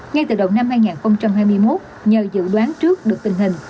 ngay từ đầu năm hai nghìn hai mươi một nhờ dự đoán trước được tình hình